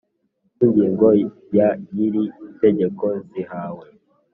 Cy ingingo ya y iri tegeko zihawe